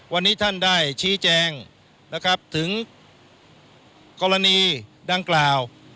วันนี้ท่านได้ชี้แจงนะครับถึงกรณีดังกล่าว